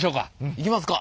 行きますか！